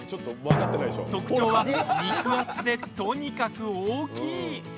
特徴は肉厚で、とにかく大きい！